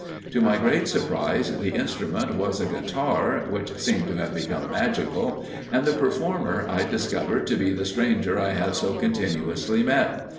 To my great surprise, the instrument was a guitar (which seemed to have become magical), and the performer, I discovered to be the stranger I had so continuously met.